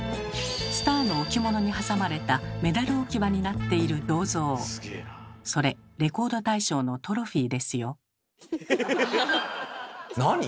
スターの置物に挟まれたメダル置き場になっている銅像それレコード大賞のトロフィーですよ。